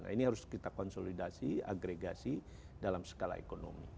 nah ini harus kita konsolidasi agregasi dalam skala ekonomi